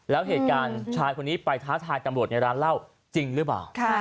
แล้วเหตุการณ์ชายคนนี้ไปท้าทายตำรวจในร้านเหล้าจริงหรือเปล่า